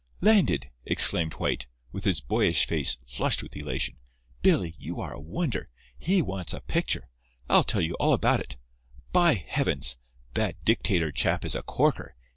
"Landed," exclaimed White, with his boyish face flushed with elation. "Billy, you are a wonder. He wants a picture. I'll tell you all about it. By Heavens! that dictator chap is a corker!